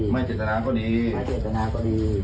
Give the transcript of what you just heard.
ไม่เจ็ดจนาก็ดี